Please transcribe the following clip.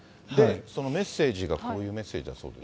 そのメッセージがこういうメッセージだそうです。